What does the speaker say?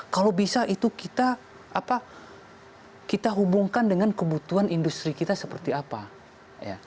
kalau bisa itu kita hubungkan dengan kebutuhan industri kita seperti apa